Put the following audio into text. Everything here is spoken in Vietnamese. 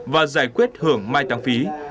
và giải quyết hưởng mai tăng phí